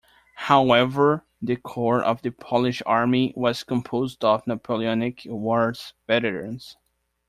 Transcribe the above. However, the core of the Polish Army was composed of Napoleonic Wars veterans.